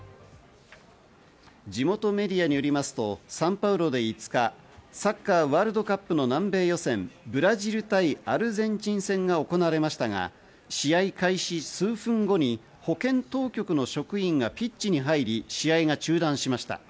地元メディアによりますと、サンパウロで５日、サッカーワールドカップの南米予選、ブラジル対アルゼンチン戦が行われましたが、試合開始数分後に保健当局の職員がピッチに入り、試合が中断しました。